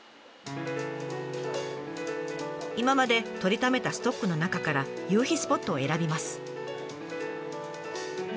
今まで撮りためたストックの中から夕日スポットを選びます。